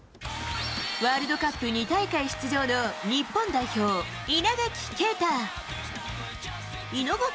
ワールドカップ２大会出場の日本代表、稲垣啓太。